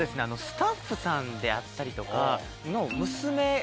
スタッフさんであったりとかの。